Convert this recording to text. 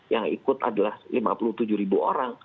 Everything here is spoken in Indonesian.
yang ikut adalah lima puluh tujuh ribu orang